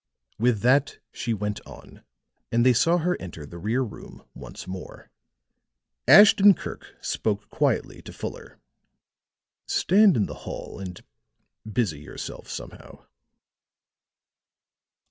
With that she went on, and they saw her enter the rear room once more. Ashton Kirk spoke quietly to Fuller. "Stand in the hall and busy yourself somehow."